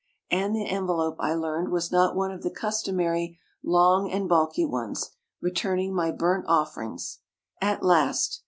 And the envelope, I learned, was not one of the customary long and bulky ones, returning my burnt offerings. At last